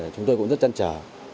chúng tôi cũng rất trân trở